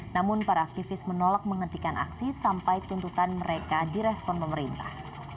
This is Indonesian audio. namun para aktivis menolak menghentikan aksi sampai tuntutan mereka direspon pemerintah